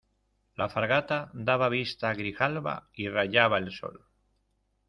la fragata daba vista a Grijalba, y rayaba el sol.